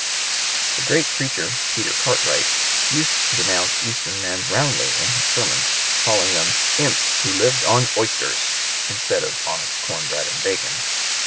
The great preacher, Peter Cartwright, used to denounce Eastern men roundly in his sermons, calling them "imps who lived on oysters" instead of honest corn bread and bacon.